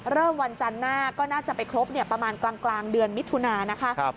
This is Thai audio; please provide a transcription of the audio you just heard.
วันจันทร์หน้าก็น่าจะไปครบประมาณกลางเดือนมิถุนานะคะ